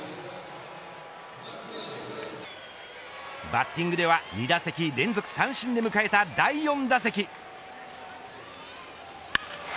バッティングでは２打席連続三振で迎えた第４打席。